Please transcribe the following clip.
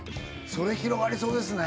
それ広がりそうですね